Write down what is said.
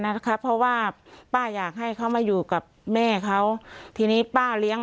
นะครับเพราะว่าป้าอยากให้เขามาอยู่กับแม่เขาทีนี้ป้าเลี้ยง